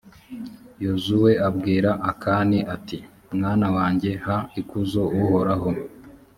yozuwe abwira akani, ati «mwana wanjye, ha ikuzo uhoraho.